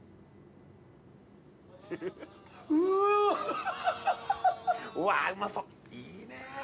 うわうわうまそういいね